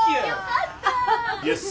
よかった！